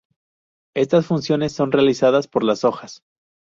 Estas funciones son realizadas por las hojas.